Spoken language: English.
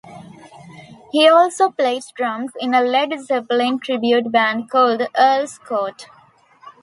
He also plays drums in a Led Zeppelin tribute band called Earl's Court.